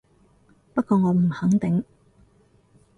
不過我唔肯定